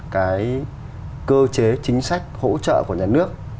cái cơ chế chính sách hỗ trợ của nhà nước